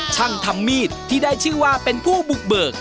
ช่างทำมีดที่ได้ชื่อว่าเป็นผู้บุกเบิก